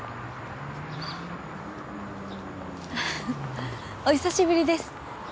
ふふっお久しぶりです。